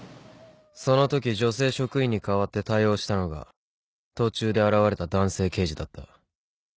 そのとき女性職員に代わって対応したのが途中で現れた男性刑事だった。